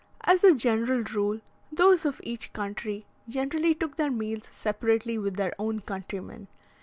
As a general rule, those of each country generally took their meals separately with their own countrymen.